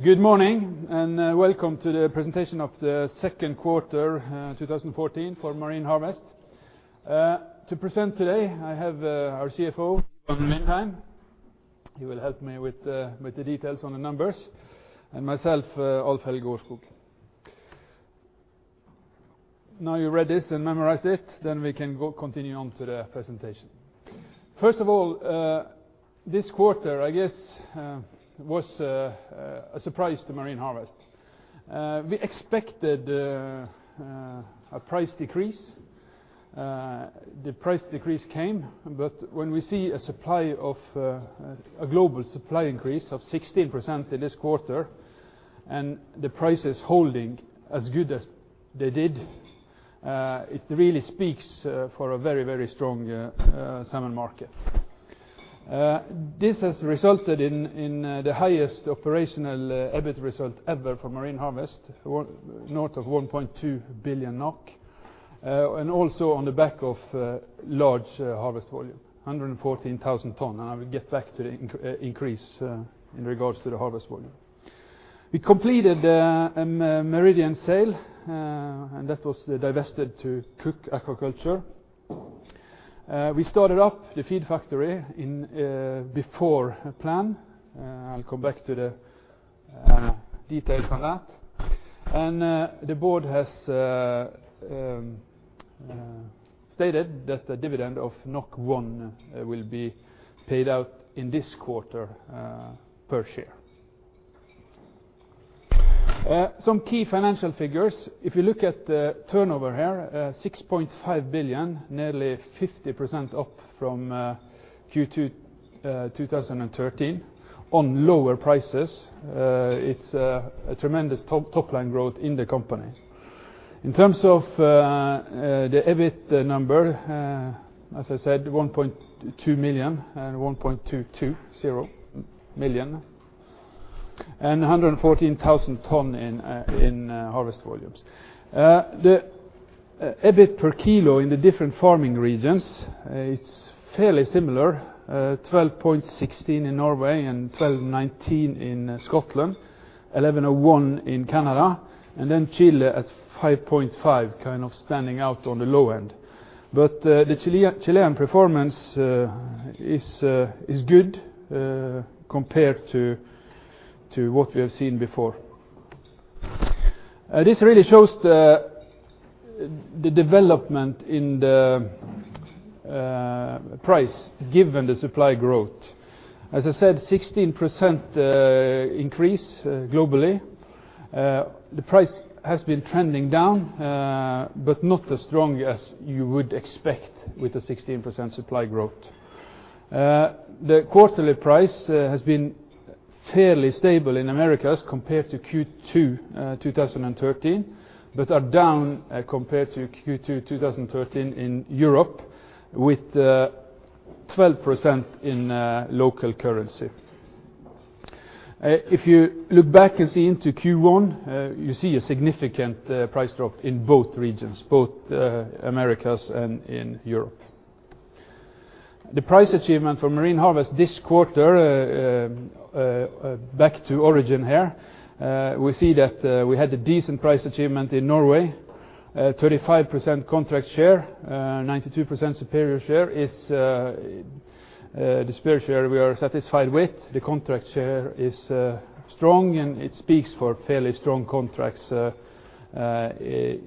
Good morning, welcome to the presentation of the second quarter 2014 for Marine Harvest. To present today, I have our CFO, Ivan Vindheim. He will help me with the details on the numbers, and myself, Alf-Helge Aarskog. You read this and memorized it, we can go continue on to the presentation. First of all, this quarter, I guess, was a surprise to Marine Harvest. We expected a price decrease. The price decrease came, when we see a global supply increase of 16% in this quarter and the prices holding as good as they did, it really speaks for a very strong salmon market. This has resulted in the highest operational EBIT result ever for Marine Harvest, north of 1.2 billion NOK, and also on the back of large harvest volume, 114,000 ton. I will get back to the increase in regards to the harvest volume. We completed a Meridian sale, and that was divested to Cooke Aquaculture. We started up the feed factory before plan. I'll come back to the details on that. The board has stated that the dividend of 1 will be paid out in this quarter per share. Some key financial figures. If you look at the turnover here, 6.5 billion, nearly 50% up from Q2 2013 on lower prices. It's a tremendous top line growth in the company. In terms of the EBIT number, as I said, 1.2 million and 1.220 million and 114,000 tons in harvest volumes. The EBIT per kilo in the different farming regions, it's fairly similar, 12.16 in Norway and 12.19 in Scotland, 11.01 in Canada, and then Chile at 5.5 standing out on the low end. The Chilean performance is good compared to what we have seen before. This really shows the development in the price given the supply growth. As I said, 16% increase globally. The price has been trending down, but not as strong as you would expect with a 16% supply growth. The quarterly price has been fairly stable in Americas compared to Q2 2013, but are down compared to Q2 2013 in Europe with 12% in local currency. If you look back and see into Q1, you see a significant price drop in both regions, both Americas and in Europe. The price achievement for Marine Harvest this quarter, back to origin here, we see that we had a decent price achievement in Norway, 35% contract share, 92% superior share is the superior share we are satisfied with. The contract share is strong and it speaks for fairly strong contracts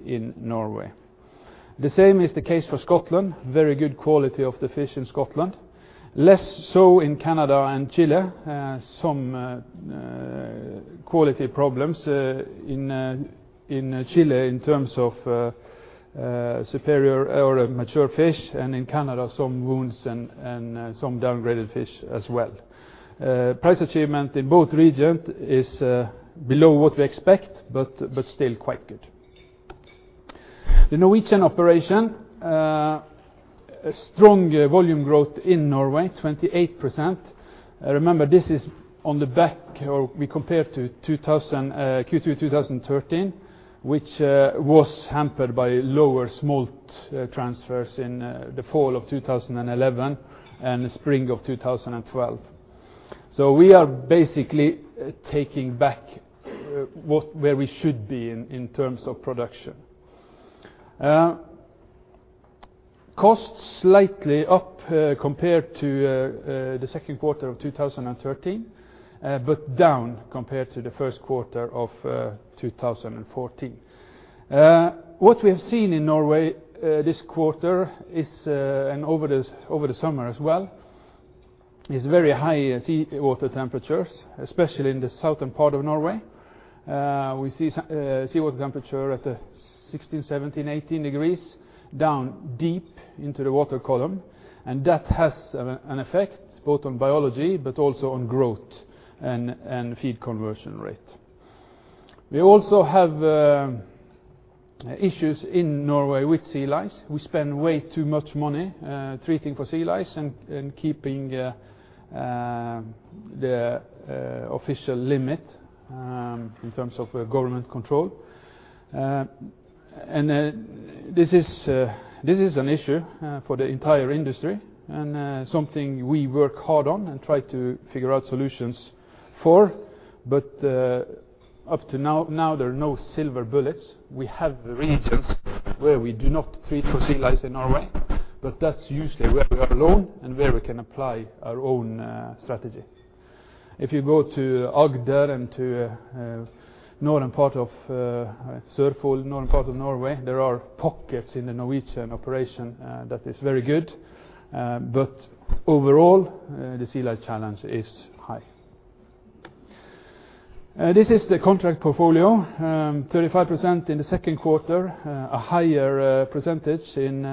in Norway. The same is the case for Scotland. Very good quality of the fish in Scotland. Less so in Canada and Chile. Some quality problems in Chile in terms of mature fish, and in Canada, some wounds and some downgraded fish as well. Price achievement in both regions is below what we expect, but still quite good. The Norwegian operation, a strong volume growth in Norway, 28%. Remember, this is on the back or we compare to Q2 2013, which was hampered by lower smolt transfers in the fall of 2011 and the spring of 2012. We are basically taking back where we should be in terms of production. Costs slightly up compared to the second quarter of 2013, but down compared to the first quarter of 2014. What we have seen in Norway this quarter and over the summer as well is very high seawater temperatures, especially in the southern part of Norway. We see seawater temperature at 16, 17, 18 degrees down deep into the water column, and that has an effect both on biology but also on growth and feed conversion rate. We also have issues in Norway with sea lice. We spend way too much money treating for sea lice and keeping the official limit in terms of government control. This is an issue for the entire industry and something we work hard on and try to figure out solutions for. Up to now, there are no silver bullets. We have regions where we do not treat for sea lice in Norway, but that's usually where we are alone and where we can apply our own strategy. If you go to Agder and to Sørfold, northern part of Norway, there are pockets in the Norwegian operation that is very good. Overall, the sea lice challenge is high. This is the contract portfolio. 35% in the second quarter, a higher percentage in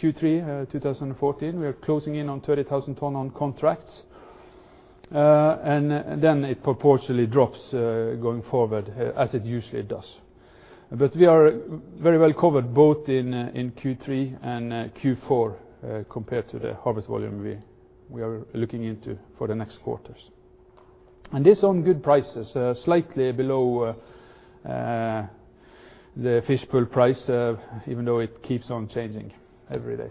Q3 2014. We are closing in on 30,000 ton on contracts. Then it proportionally drops going forward as it usually does. We are very well covered both in Q3 and Q4 compared to the harvest volume we are looking into for the next quarters. This on good prices, slightly below the fish spot price, even though it keeps on changing every day.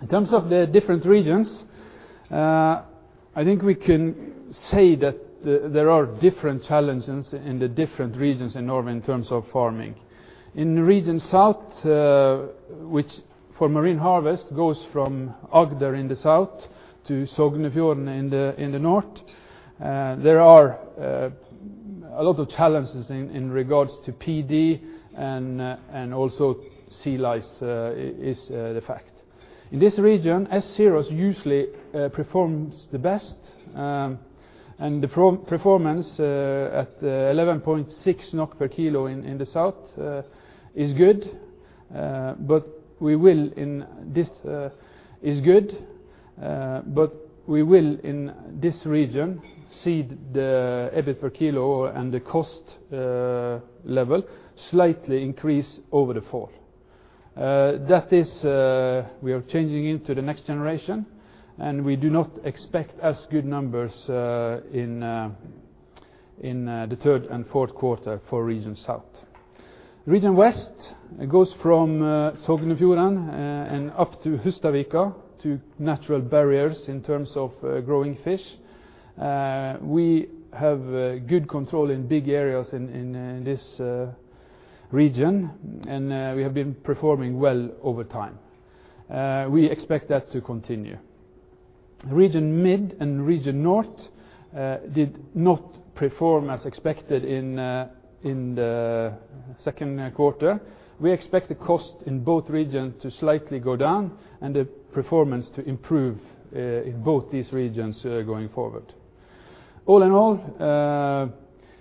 In terms of the different regions, I think we can say that there are different challenges in the different regions in Norway in terms of farming. In the Region South, which for Marine Harvest goes from Agder in the south to Sogn og Fjordane in the north, there are a lot of challenges in regards to PD and also sea lice is the fact. In this region, S0 usually performs the best, and the performance at 11.6 NOK per kilo in the south is good. We will in this region see the EBIT per kilo and the cost level slightly increase over the fall. That is we are changing into the next generation, and we do not expect as good numbers in the third and fourth quarter for Region South. Region West, it goes from Sogn og Fjordane and up to Hustadvika to natural barriers in terms of growing fish. We have good control in big areas in this region, and we have been performing well over time. We expect that to continue. Region Mid and Region North did not perform as expected in the 2nd quarter. We expect the cost in both regions to slightly go down and the performance to improve in both these regions going forward. All in all,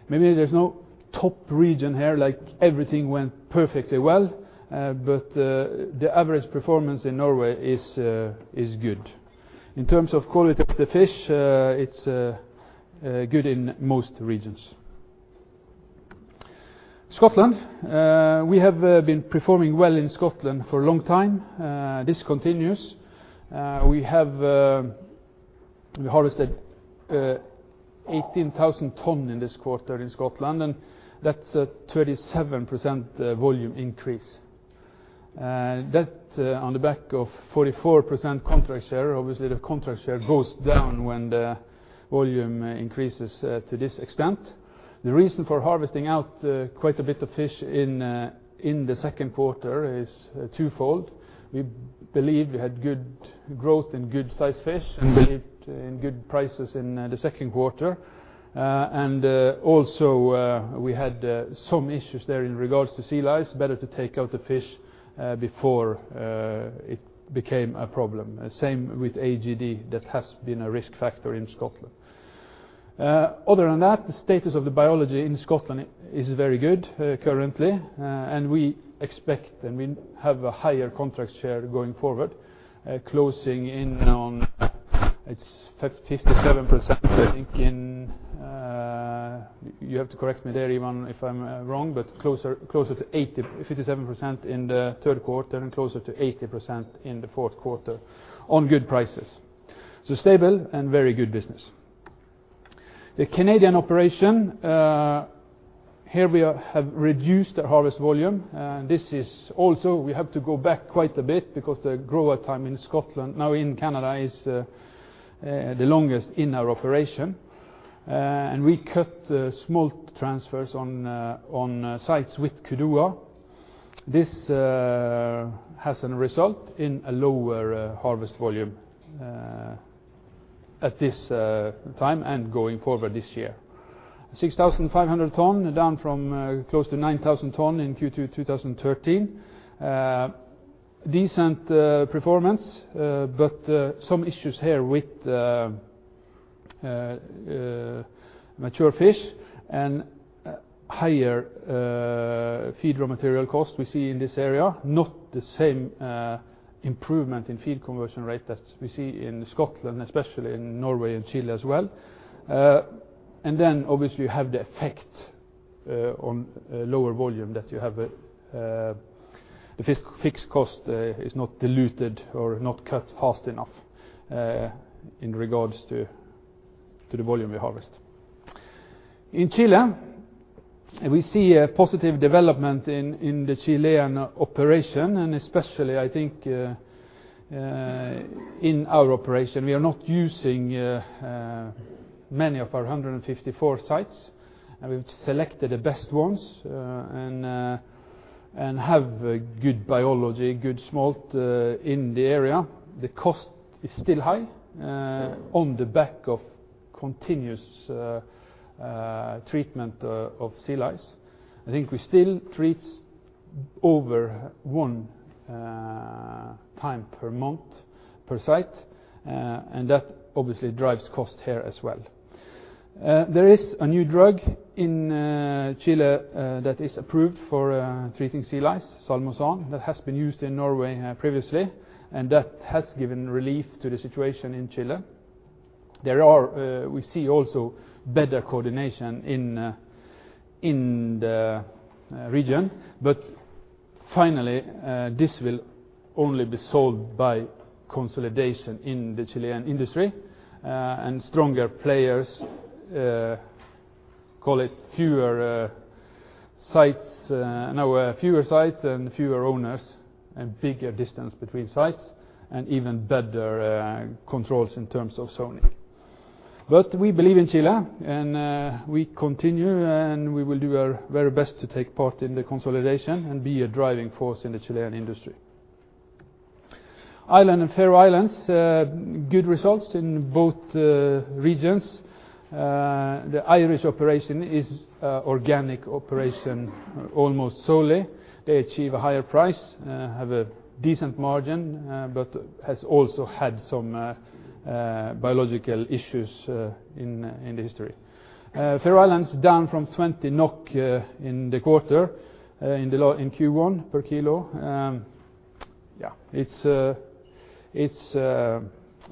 maybe there's no top region here like everything went perfectly well, but the average performance in Norway is good. In terms of quality of the fish, it's good in most regions. Scotland. We have been performing well in Scotland for a long time. This continues. We harvested 18,000 tons in this quarter in Scotland, and that's a 37% volume increase. That on the back of 44% contract share. Obviously, the contract share goes down when the volume increases to this extent. The reason for harvesting out quite a bit of fish in the 2nd quarter is twofold. We believe we had good growth and good size fish and believed in good prices in the second quarter. Also we had some issues there in regards to sea lice. Better to take out the fish before it became a problem. The same with AGD. That has been a risk factor in Scotland. Other than that, the status of the biology in Scotland is very good currently, and we expect to have a higher contract share going forward. Closing in. It's 57%, I think. You have to correct me there, Ivan, if I'm wrong, but closer to 57% in the third quarter and closer to 80% in the fourth quarter on good prices. Stable and very good business. The Canadian operation, here we have reduced our harvest volume. This is also we have to go back quite a bit because the grow-out time in Canada is the longest in our operation, and we cut the smolt transfers on sites with Kudoa. This has a result in a lower harvest volume at this time and going forward this year. 6,500 tons down from close to 9,000 tons in Q2 2013. Decent performance, but some issues here with mature fish and higher feed raw material costs we see in this area. Not the same improvement in feed conversion rate as we see in Scotland, especially in Norway and Chile as well. Obviously you have the effect on a lower volume that you have a fixed cost is not diluted or not cut fast enough in regards to the volume we harvest. In Chile, we see a positive development in the Chilean operation and especially I think in our operation. We are not using many of our 154 sites, and we've selected the best ones and have a good biology, good smolt in the area. The cost is still high on the back of continuous treatment of sea lice. I think we still treat over one time per month per site, and that obviously drives cost here as well. There is a new drug in Chile that is approved for treating sea lice, Salmosan. That has been used in Norway previously, and that has given relief to the situation in Chile. We see also better coordination in the region, finally, this will only be solved by consolidation in the Chilean industry and stronger players call it fewer sites and fewer owners and bigger distance between sites and even better controls in terms of zoning. We believe in Chile, and we continue, we will do our very best to take part in the consolidation and be a driving force in the Chilean industry. Ireland and Faroe Islands, good results in both regions. The Irish operation is organic operation almost solely. They achieve a higher price, have a decent margin, has also had some biological issues in the industry. Faroe Islands down from 20 NOK in the quarter, in Q1 per kilo. It's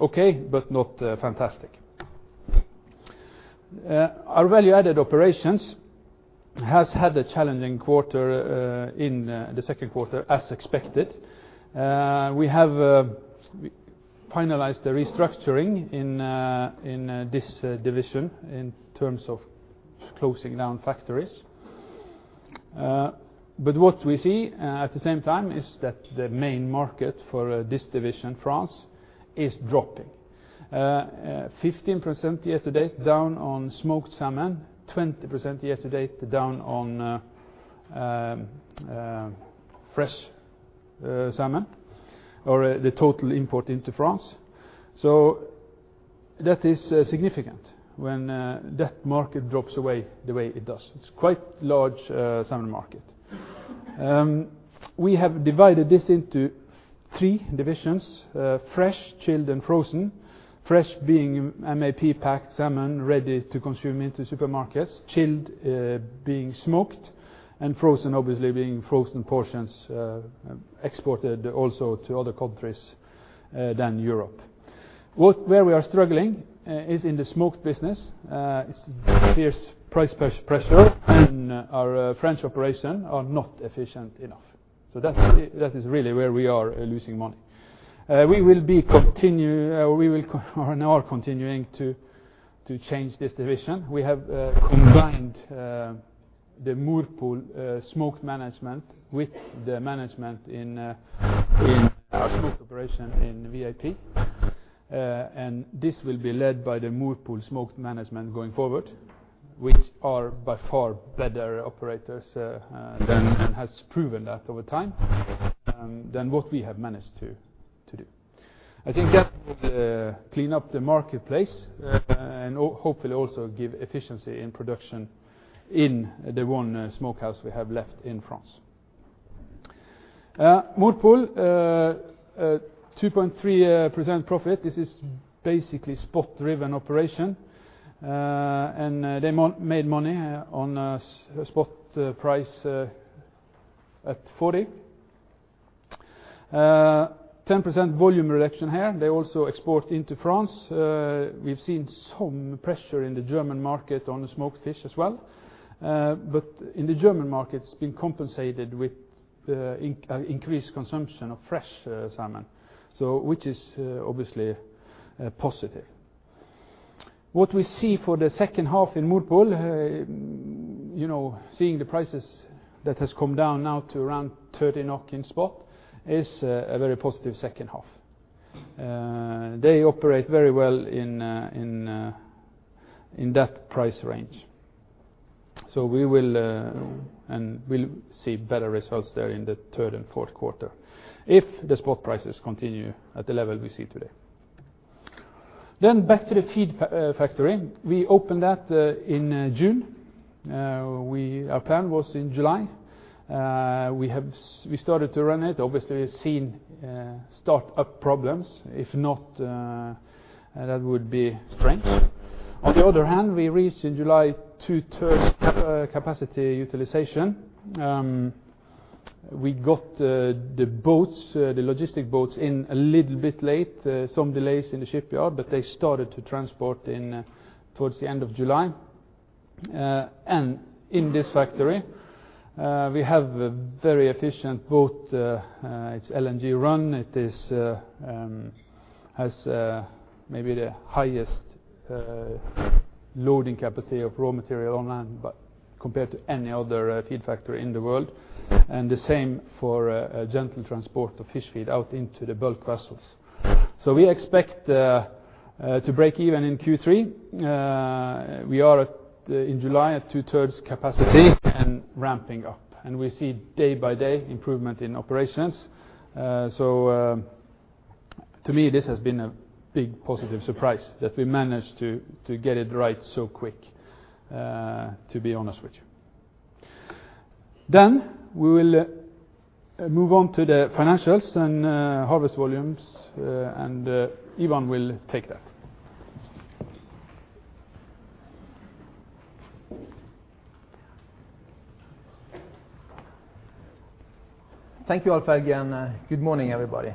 okay, not fantastic. Our Value Added operations has had a challenging quarter in the second quarter as expected. We have finalized the restructuring in this division in terms of closing down factories. What we see at the same time is that the main market for this division, France, is dropping. 15% year to date down on smoked salmon, 20% year to date down on fresh salmon or the total import into France. That is significant when that market drops away the way it does. It's quite large salmon market. We have divided this into three divisions fresh, chilled, and frozen. Fresh being MAP packed salmon ready to consume into supermarkets, chilled being smoked, and frozen obviously being frozen portions exported also to other countries than Europe. Where we are struggling is in the smoked business. It's fierce price pressure and our French operation are not efficient enough. That is really where we are losing money. We are now continuing to change this division. We have combined the Morpol smoked management with the management in our smoke operation in VAP. This will be led by the Morpol smoke management going forward, which are by far better operators and has proven that over time than what we have managed to do. I think that will clean up the marketplace and hopefully also give efficiency in production in the one smokehouse we have left in France. Morpol, 2.3% profit. This is basically spot-driven operation, and they made money on a spot price at NOK 40. 10% volume reduction here. They also export into France. We've seen some pressure in the German market on the smoked salmon as well. In the German market, it's been compensated with increased consumption of fresh salmon which is obviously positive. What we see for the second half in Morpol, seeing the prices that has come down now to around 30 in spot, is a very positive second half. They operate very well in that price range. We'll see better results there in the third and fourth quarter if the spot prices continue at the level we see today. Back to the feed factory. We opened that in June. Our plan was in July. We started to run it, obviously seen start-up problems. If not, that would be strange. On the other hand, we reached in July 2/3 capacity utilization. We got the logistic boats in a little bit late. Some delays in the shipyard, but they started to transport towards the end of July. In this factory, we have a very efficient boat. It's LNG-run. It has maybe the highest loading capacity of raw material on land compared to any other fish feed factory in the world, and the same for gentle transport of fish feed out into the bulk vessels. We expect to break even in Q3. We are in July at 2/3 capacity and ramping up, and we see day-by-day improvement in operations. To me, this has been a big positive surprise that we managed to get it right so quick, to be honest with you. We will move on to the financials and harvest volumes, and Ivan will take that. Thank you, Alf-Helge, and good morning, everybody.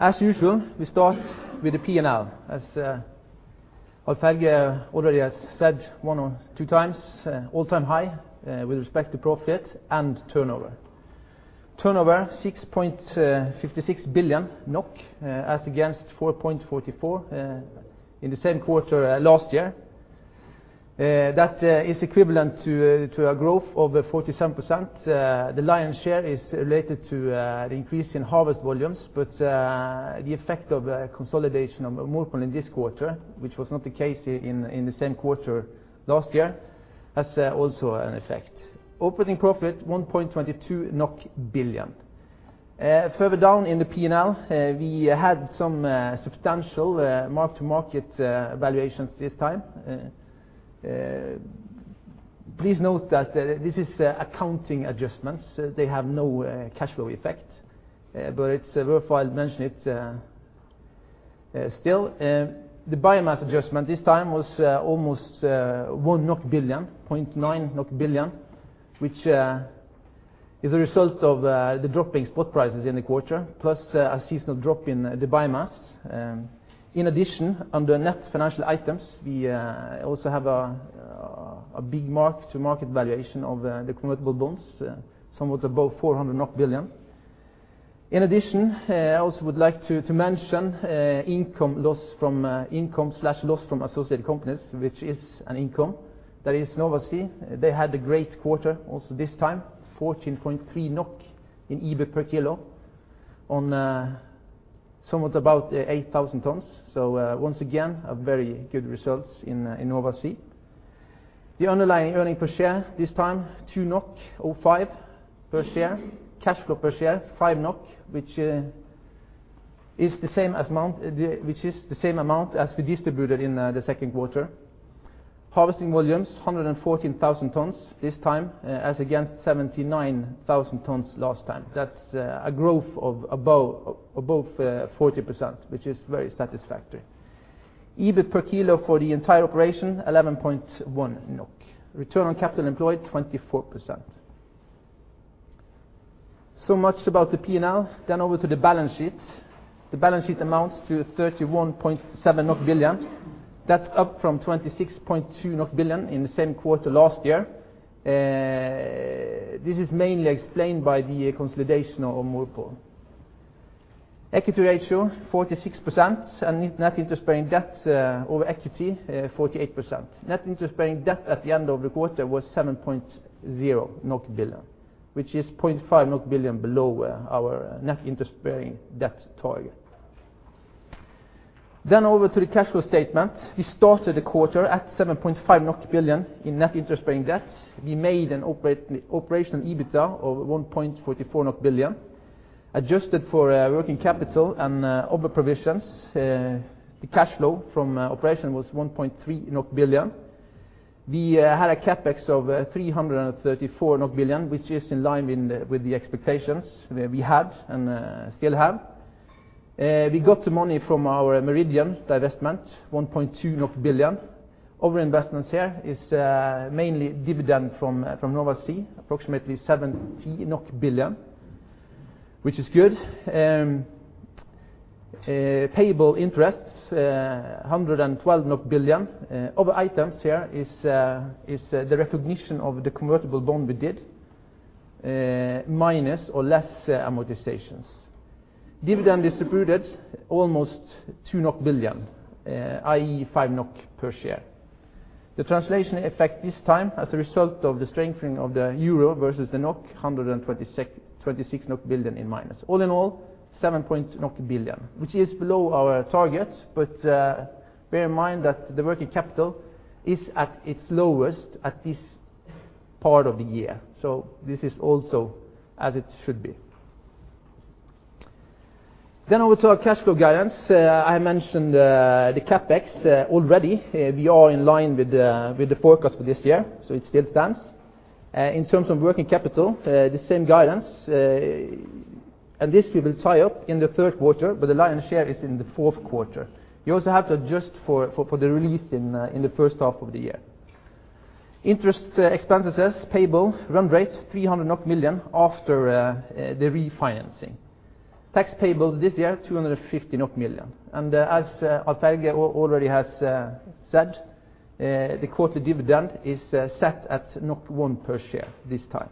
As usual, we start with the P&L. As Alf-Helge already has said one or two times, all-time high with respect to profit and turnover. Turnover 6.56 billion NOK, as against 4.44 in the same quarter last year. That is equivalent to a growth of 47%. The lion's share is related to the increase in harvest volumes, but the effect of consolidation of Morpol in this quarter, which was not the case in the same quarter last year, has also an effect. Operating profit 1.22 billion NOK. Further down in the P&L, we had some substantial mark-to-market valuations this time. Please note that this is accounting adjustments. They have no cash flow effect, but it's worthwhile mentioning it still. The biomass adjustment this time was almost 1 billion NOK, 0.9 billion NOK, which is a result of the dropping spot prices in the quarter, plus a seasonal drop in the biomass. Under net financial items, we also have a big mark-to-market valuation of the convertible bonds, somewhat above 400 billion. I also would like to mention income/loss from associated companies, which is an income. That is Nova Sea. They had a great quarter also this time, 14.3 NOK in EBIT per kilo on somewhat about 8,000 tons. Once again, a very good results in Nova Sea. The underlying earning per share this time, 2.05 NOK per share. Cash flow per share 5 NOK, which is the same amount as we distributed in the second quarter. Harvesting volumes, 114,000 tons this time as against 79,000 tons last time. That's a growth of above 40%, which is very satisfactory. EBIT per kilo for the entire operation, 11.1 NOK. Return on capital employed, 24%. Much about the P&L. Over to the balance sheet. The balance sheet amounts to 31.7 billion. That's up from 26.2 billion in the same quarter last year. This is mainly explained by the consolidation of Mowi. Equity ratio, 46%, and net interest-bearing debt over equity, 48%. Net interest-bearing debt at the end of the quarter was 7.0 billion NOK, which is 0.5 billion NOK below our net interest-bearing debt target. Over to the cash flow statement. We started the quarter at 7.5 billion in net interest-bearing debt. We made an operational EBITDA of 1.44 billion. Adjusted for working capital and other provisions, the cash flow from operation was 1.3 billion NOK. We had a CapEx of 334 billion NOK, which is in line with the expectations we had and still have. We got the money from our Meridian divestment, 1.2 billion. Other investments here is mainly dividend from Nova Sea, approximately 70 billion, which is good. Payable interests, 112 billion. Other items here is the recognition of the convertible bond we did, minus or less amortizations. Dividend distributed, almost 2.5 Billion NOK, i.e., 5 NOK per share. The translation effect this time as a result of the strengthening of the EUR versus the 126 billion NOK in minus. All in all, seven-point billion, which is below our target. Bear in mind that the working capital is at its lowest at this part of the year. This is also as it should be. Over to our cash flow guidance. I mentioned the CapEx already. We are in line with the forecast for this year, so it still stands. In terms of working capital, the same guidance. This we will tie up in the third quarter, but the lion's share is in the fourth quarter. You also have to adjust for the release in the first half of the year. Interest expenses payable run rate 300 million after the refinancing. Tax payables this year, 250 million. As Alf-Helge Aarskog already has said, the quarterly dividend is set at 1 per share this time.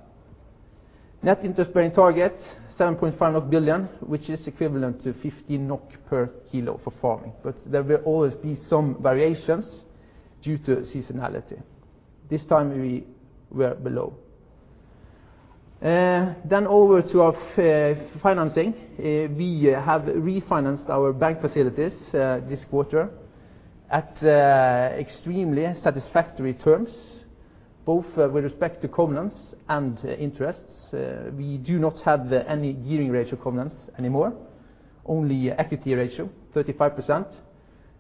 Net interest-bearing target 7.5 billion NOK, which is equivalent to 15 NOK per kilo for farming. There will always be some variations due to seasonality. This time we were below. Over to our financing. We have refinanced our bank facilities this quarter at extremely satisfactory terms, both with respect to covenants and interests. We do not have any gearing ratio covenants anymore, only equity ratio, 35%,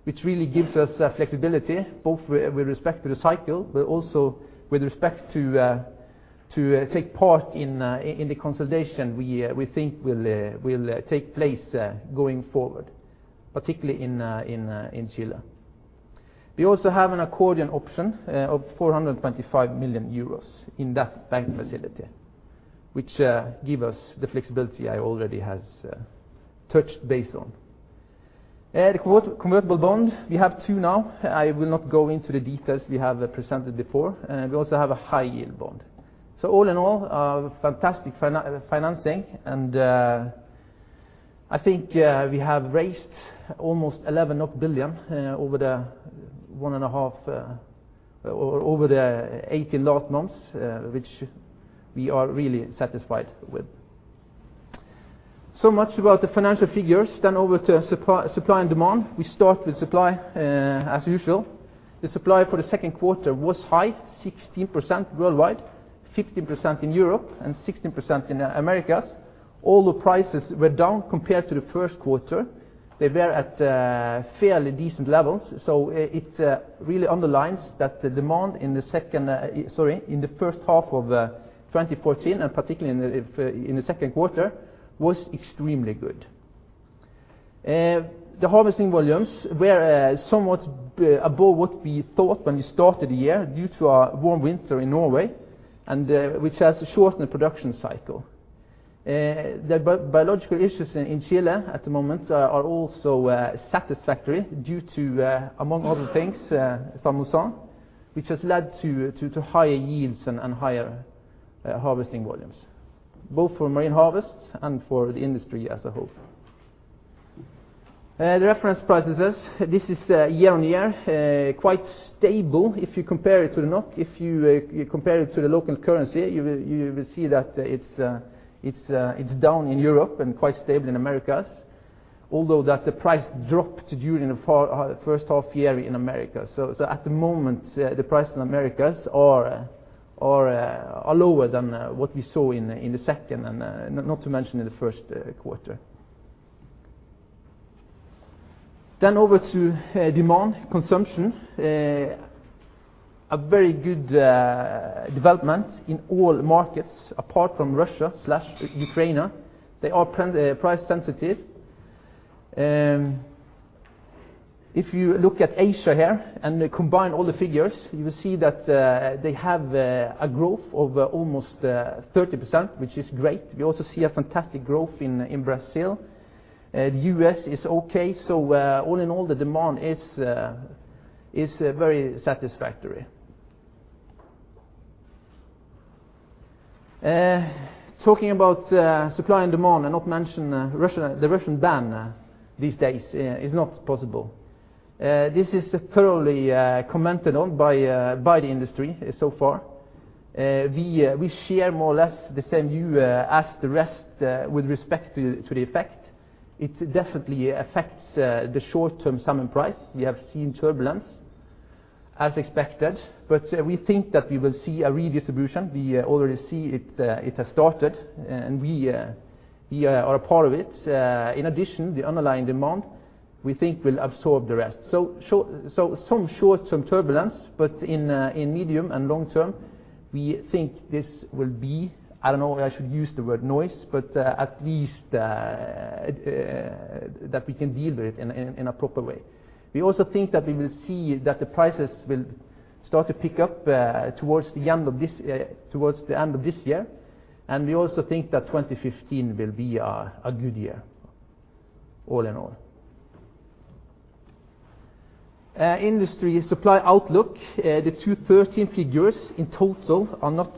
which really gives us flexibility, both with respect to the cycle, but also with respect to take part in the consolidation we think will take place going forward, particularly in Chile. We also have an accordion option of 425 million euros in that bank facility, which give us the flexibility I already have touched base on. The convertible bond, we have two now. I will not go into the details we have presented before. We also have a high yield bond. All in all, a fantastic financing, and I think we have raised almost 11 billion over the 18 last months, which we are really satisfied with. Much about the financial figures. Over to supply and demand. We start with supply as usual. The supply for the second quarter was high, 16% worldwide, 15% in Europe, and 16% in Americas. All the prices were down compared to the first quarter. They were at fairly decent levels. It really underlines that the demand in the first half of 2014 and particularly in the second quarter was extremely good. The harvesting volumes were somewhat above what we thought when we started the year due to a warm winter in Norway, and which has shortened the production cycle. The biological issues in Chile at the moment are also satisfactory due to, among other things, Salmosan, which has led to higher yields and higher harvesting volumes, both for Marine Harvest and for the industry as a whole. The reference prices, this is year-on-year, quite stable if you compare it to the NOK. If you compare it to the local currency, you will see that it's down in Europe and quite stable in Americas, although that the price dropped during the 1st half year in Americas. At the moment, the price in Americas are lower than what we saw in the 2nd and not to mention in the 1st quarter. Over to demand consumption. A very good development in all markets apart from Russia/Ukraine. They are price sensitive. If you look at Asia here and combine all the figures, you will see that they have a growth of almost 30%, which is great. We also see a fantastic growth in Brazil. U.S. is okay. All in all, the demand is very satisfactory. Talking about supply and demand and not mention the Russian ban these days is not possible. This is thoroughly commented on by the industry so far. We share more or less the same view as the rest with respect to the effect. It definitely affects the short-term salmon price. We have seen turbulence, as expected. We think that we will see a redistribution. We already see it has started, we are a part of it. In addition, the underlying demand, we think will absorb the rest. Some short-term turbulence. In medium and long term, we think this will be, I don't know if I should use the word noise, at least that we can deal with it in a proper way. We also think that we will see that the prices will start to pick up towards the end of this year. We also think that 2015 will be a good year all in all. Industry supply outlook. The 2013 figures in total are not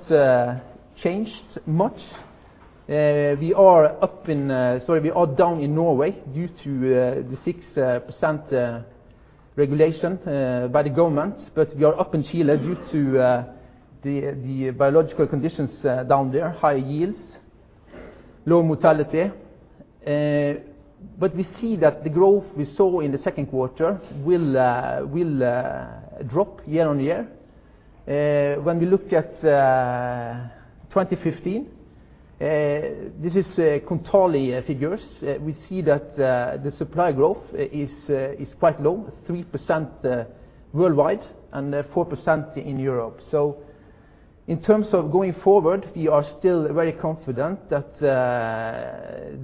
changed much. We are down in Norway due to the 6% regulation by the government, we are up in Chile due to the biological conditions down there, high yields, low mortality. We see that the growth we saw in the second quarter will drop year-on-year. When we look at 2015, this is Kontali figures. We see that the supply growth is quite low, 3% worldwide and 4% in Europe. In terms of going forward, we are still very confident that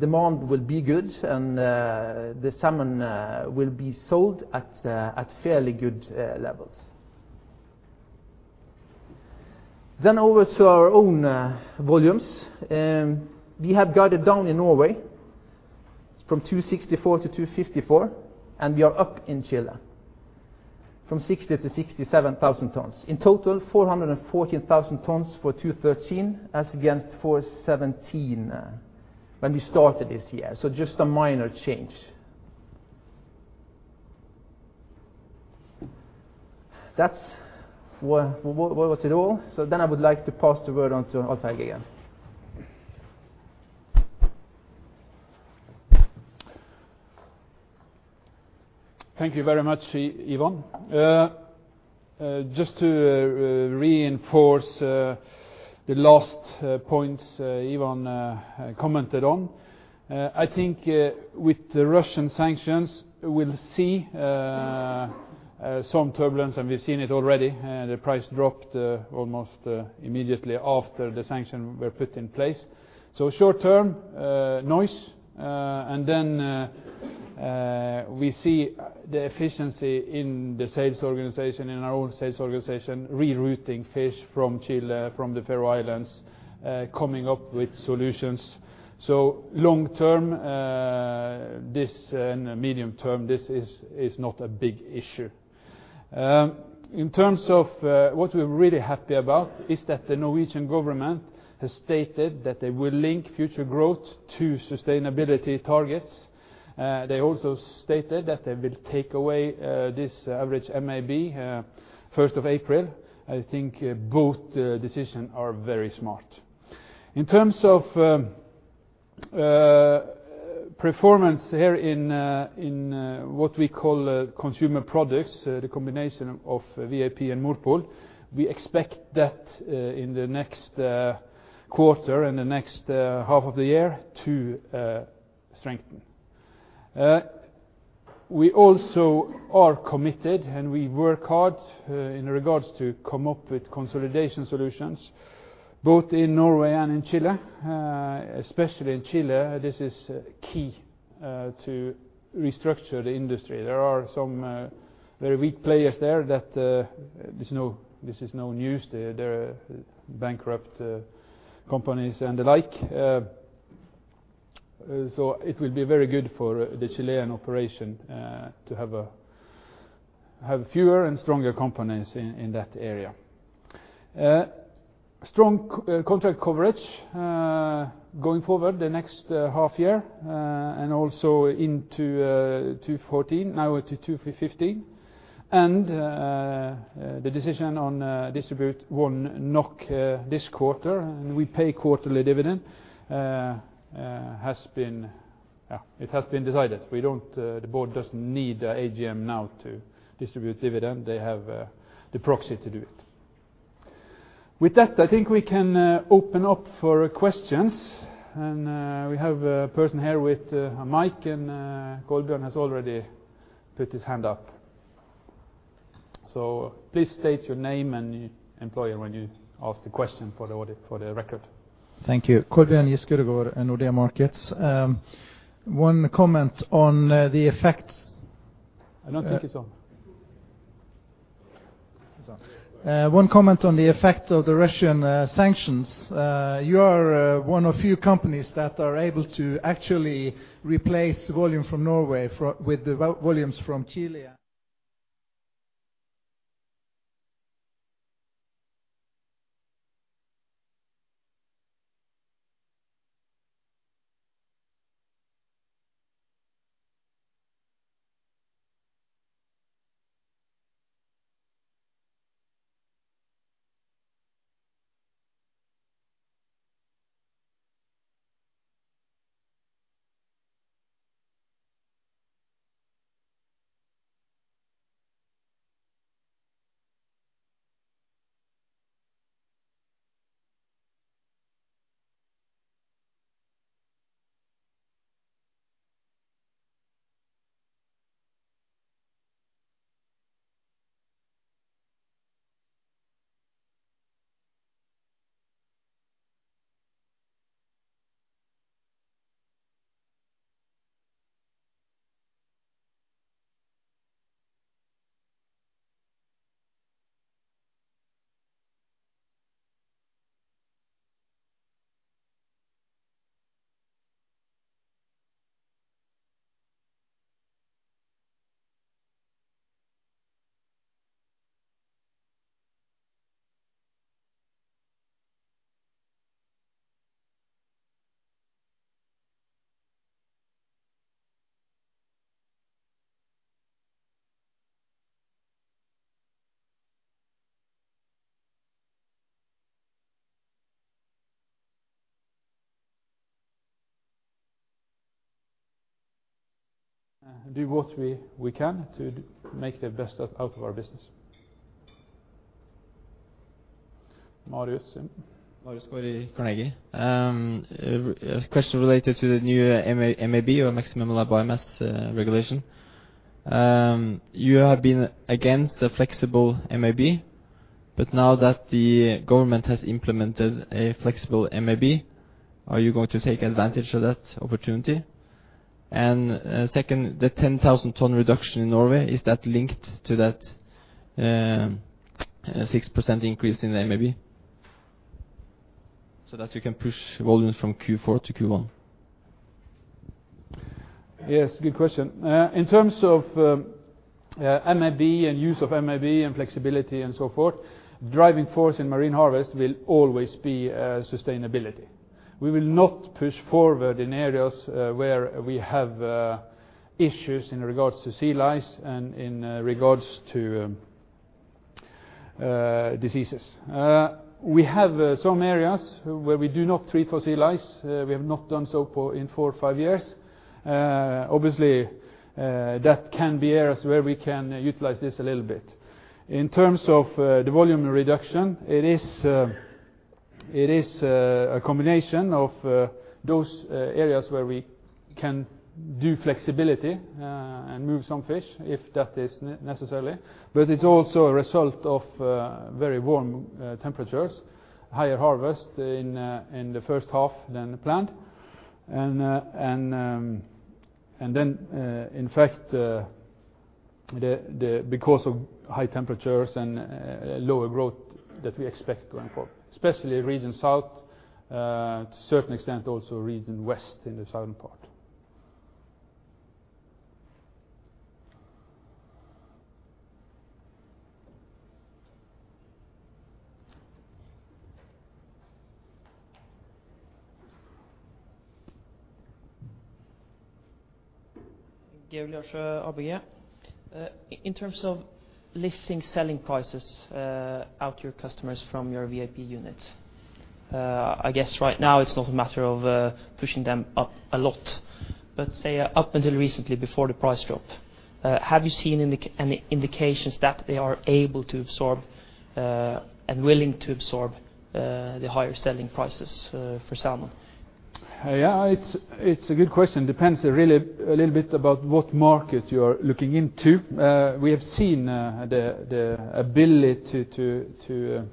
demand will be good and the salmon will be sold at fairly good levels. Over to our own volumes. We have guided down in Norway from 264,000-254,000, and we are up in Chile from 60,000-67,000 tonnes. In total, 414,000 tonnes for 2013 as against 417,000 when we started this year. Just a minor change. That was it all. I would like to pass the word on to Alf-Helge again. Thank you very much, Ivan. Just to reinforce the last points Ivan commented on. I think with the Russian sanctions, we'll see some turbulence, and we've seen it already. The price dropped almost immediately after the sanction were put in place. Short-term, noise, and then we see the efficiency in the sales organization, in our own sales organization, rerouting fish from Chile, from the Faroe Islands, coming up with solutions. Long-term and medium-term, this is not a big issue. In terms of what we're really happy about is that the Norwegian government has stated that they will link future growth to sustainability targets. They also stated that they will take away this average MAB, 1st of April. I think both decisions are very smart. In terms of performance here in what we call consumer products, the combination of VAP and Morpol, we expect that in the next quarter and the next half of the year to strengthen. We also are committed, and we work hard in regards to come up with consolidation solutions both in Norway and in Chile. Especially in Chile, this is key to restructure the industry. There are some very weak players there that this is no news. There are bankrupt companies and the like. It will be very good for the Chilean operation to have fewer and stronger components in that area. Strong contract coverage going forward the next half year and also into 2014, now to 2015. The decision on distribute NOK this quarter, and we pay quarterly dividend, it has been decided. The board doesn't need AGM now to distribute dividend. They have the proxy to do it. With that, I think we can open up for questions, and we have a person here with a mic, and Kolbjørn has already put his hand up. Please state your name and employer when you ask the question for the record. Thank you. Kolbjørn Giskeødegård, Nordea Markets. One comment on the effects. I don't think it's on. It's on. One comment on the effect of the Russian sanctions. You are one of few companies that are able to actually replace volume from Norway with the volumes from Chile? Do what we can to make the best out of our business. Marius. Marius Gaard, Carnegie. A question related to the new MAB or maximum allowed biomass regulation. You have been against a flexible MAB, but now that the government has implemented a flexible MAB, are you going to take advantage of that opportunity? Second, the 10,000 ton reduction in Norway, is that linked to that 6% increase in the MAB so that you can push volumes from Q4-Q1? Yes, good question. In terms of MAB and use of MAB and flexibility and so forth, driving force in Marine Harvest will always be sustainability. We will not push forward in areas where we have issues in regards to sea lice and in regards to diseases. We have some areas where we do not treat for sea lice. We have not done so in four or five years. Obviously, that can be areas where we can utilize this a little bit. In terms of the volume reduction, it is a combination of those areas where we can do flexibility and move some fish if that is necessary. It's also a result of very warm temperatures, higher harvest in the first half than planned. In fact, because of high temperatures and lower growth that we expect going forward, especially Region South, to a certain extent, also Region West in the southern part. Georg, ABG. In terms of lifting selling prices out your customers from your VAP units, I guess right now it's not a matter of pushing them up a lot. Say up until recently, before the price drop, have you seen any indications that they are able to absorb and willing to absorb the higher selling prices for salmon? Yeah, it's a good question. Depends a little bit about what market you are looking into. We have seen the ability to,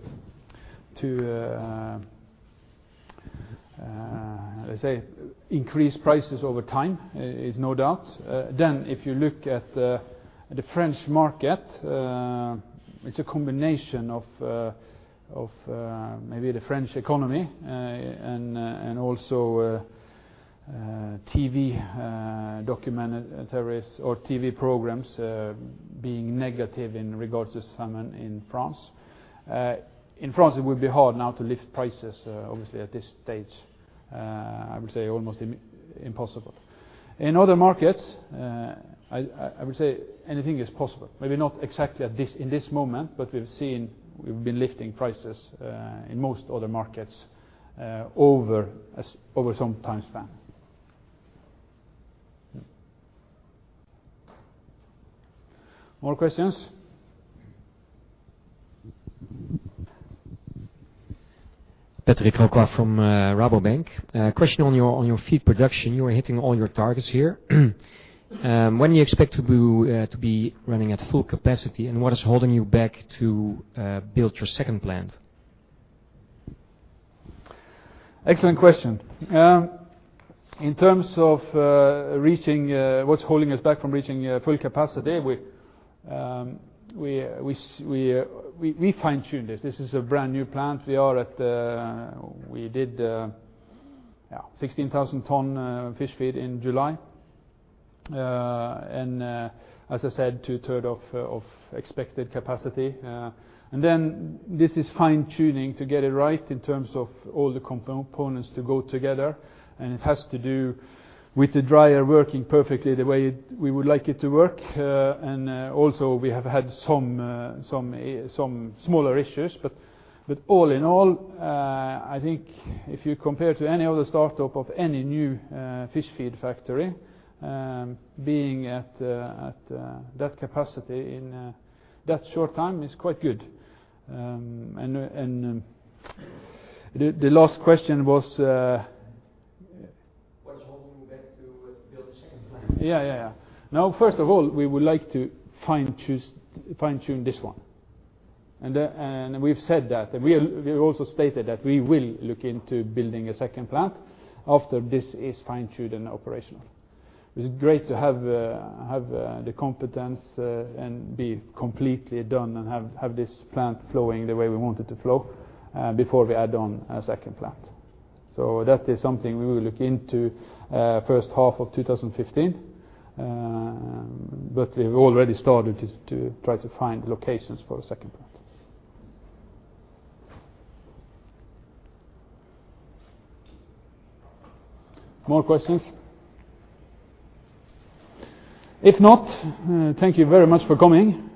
let's say, increase prices over time is no doubt. If you look at the French market, it's a combination of maybe the French economy and also TV documentaries or TV programs being negative in regards to salmon in France. In France, it would be hard now to lift prices, obviously, at this stage. I would say almost impossible. In other markets, I would say anything is possible. Maybe not exactly in this moment, but we've been lifting prices in most other markets over some time span. More questions? Patrick Roquas from Rabobank. Question on your feed production. You are hitting all your targets here. When do you expect to be running at full capacity, and what is holding you back to build your second plant? Excellent question. In terms of what's holding us back from reaching full capacity, we fine-tune this. This is a brand-new plant. We did 16,000 tonne fish feed in July. As I said, 2/3 of expected capacity. This is fine-tuning to get it right in terms of all the components to go together, and it has to do with the dryer working perfectly the way we would like it to work. Also, we have had some smaller issues. All in all, I think if you compare to any other startup of any new fish feed factory, being at that capacity in that short time is quite good. The last question was. What is holding you back to build a second plant? Yeah. First of all, we would like to fine-tune this one. We've said that, and we have also stated that we will look into building a second plant after this is fine-tuned and operational. It is great to have the competence and be completely done and have this plant flowing the way we want it to flow before we add on a second plant. That is something we will look into first half of 2015. We've already started to try to find locations for a second plant. More questions? If not, thank you very much for coming.